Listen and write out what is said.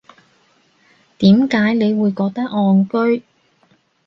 點解你會覺得戇居